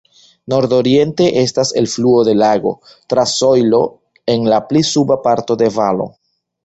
Nordoriente estas elfluo de lago, tra sojlo en la pli suba parto de valo.